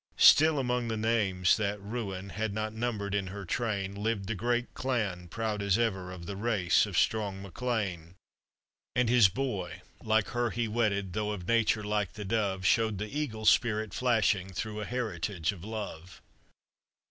Still among the names, that ruin Had not numbered in her train, Lived the great clan, proud as ever, Of the race of strong Mac Lean. And his boy, like her he wedded, Though of nature like the dove, Showed the eagle spirit flashing Through a heritage of love.